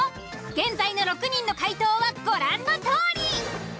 現在の６人の回答はご覧のとおり。